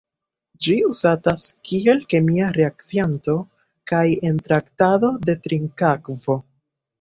Ĝi uzatas kiel kemia reakcianto kaj en traktado de trinkakvo.